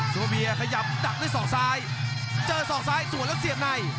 ซุปเปอร์เบียร์ขยับดับด้วยสองซ้ายเจอสองซ้ายสวนแล้วเสียบใน